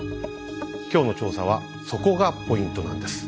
今日の調査はそこがポイントなんです。